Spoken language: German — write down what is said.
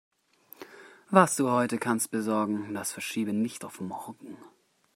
Was du heute kannst besorgen, das verschiebe nicht auf morgen.